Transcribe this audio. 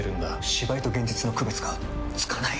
芝居と現実の区別がつかない！